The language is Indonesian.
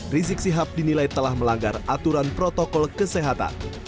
rizik sihab dinilai telah melanggar aturan protokol kesehatan